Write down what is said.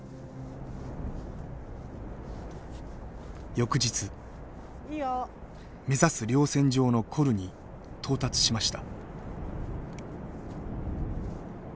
翌日目指す稜線上のコルに到達しました。